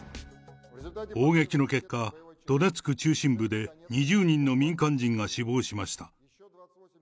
砲撃の結果、ドネツク中心部で２０人の民間人が死亡しました。